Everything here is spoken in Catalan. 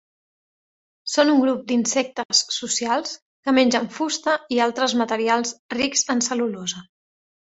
Són un grup d'insectes socials que mengen fusta i altres materials rics en cel·lulosa.